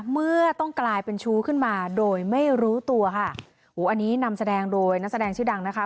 เมื่อต้องกลายเป็นชู้ขึ้นมาโดยไม่รู้ตัวค่ะอันนี้นำแสดงโดยนักแสดงชื่อดังนะคะ